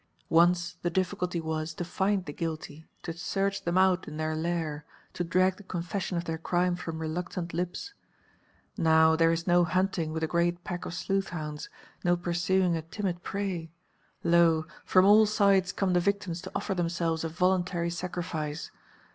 Once the difficulty was to find the guilty, to search them out in their lair, to drag the confession of their crime from reluctant lips. Now, there is no hunting with a great pack of sleuth hounds, no pursuing a timid prey; lo! from all sides come the victims to offer themselves a voluntary sacrifice.